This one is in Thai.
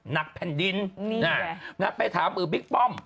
นักแผ่นดินนี่แหละนักไปถามมือบิ๊กป้อม